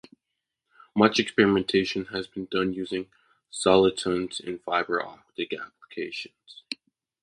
Much experimentation has been done using solitons in fiber optics applications.